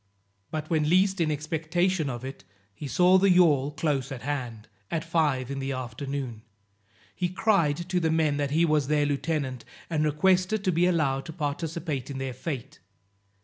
But when least in expectation of it, he saw the yawl close at hand, at five in the afternoon. He cried to the men that he was their lieutenant, and requested to be allowed to participate in their fate.